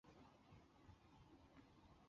张老先生是张家的大家长